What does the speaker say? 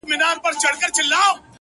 زما زړه خو هم دغه دی چې تا ته مې ښودلی